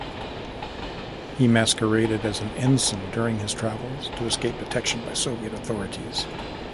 He masqueraded as an ensign during his travels to escape detection by Soviet authorities.